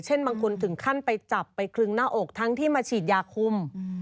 บางคนถึงขั้นไปจับไปคลึงหน้าอกทั้งที่มาฉีดยาคุม